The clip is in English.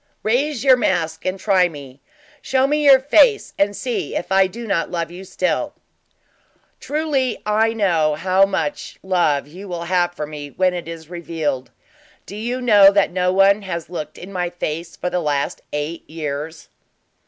"Raise your mask and try me! Show me your face and see if I do not love you still!" "Truly I know how much love you will have for me when it is revealed. Do you know that no one has looked in my face for the last eight years."